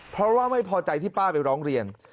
เพราะว่าไม่พอใจที่ป้าไปร้องเรียน